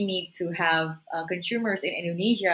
memiliki pengguna di indonesia